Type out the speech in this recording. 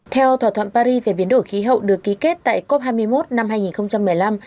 theo thỏa thuận paris về biến đổi khí hậu được ký kết tại cop hai mươi một năm hai nghìn một mươi năm